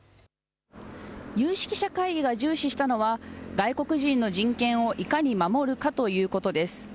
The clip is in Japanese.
有識者会議が重視したのは外国人の人権をいかに守るかということです。